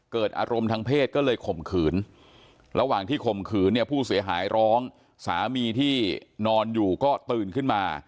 เกิดอารมณ์ทางเพศก็เลยข่มขืนระหว่างที่ข่มขืนเนี่ยผู้เสียหายร้องสามีที่นอนอยู่ก็ตื่นขึ้นมา